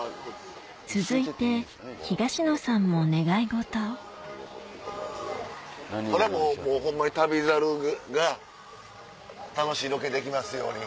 続いて東野さんも俺はもうホンマに『旅猿』が楽しいロケできますように。